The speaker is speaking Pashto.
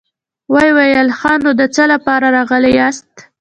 ويې ويل: ښه نو، د څه له پاره راغلي ياست؟